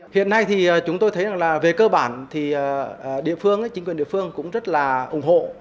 hiện nay thì chúng tôi thấy là về cơ bản thì địa phương chính quyền địa phương cũng rất là ủng hộ